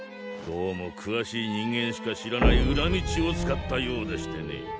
どうもくわしい人間しか知らない裏道を使ったようでしてね。